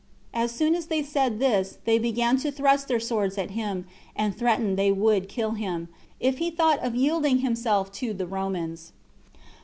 As soon as they said this, they began to thrust their swords at him, and threatened they would kill him, if he thought of yielding himself to the Romans.